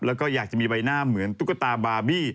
แล้วก็อยากจะมีใบหน้าเหมือนตุ๊กตาบาร์บี้